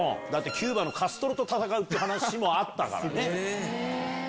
キューバのカストロと戦うって話もあった。